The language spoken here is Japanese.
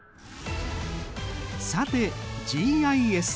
さてＧＩＳ。